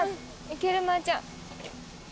いけるまーちゃん。